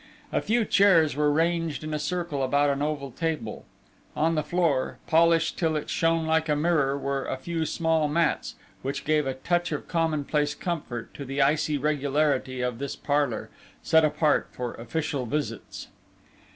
A few chairs were ranged in a circle about an oval table: on the floor, polished till it shone like a mirror, were a few small mats, which gave a touch of common place comfort to the icy regularity of this parlour, set apart for official visits.